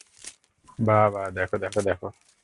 বাহ, বাহ, দেখো, দেখো, দেখো!